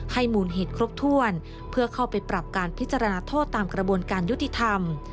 มูลเหตุครบถ้วนเพื่อเข้าไปปรับการพิจารณาโทษตามกระบวนการยุติธรรม